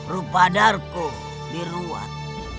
rupa darko diruat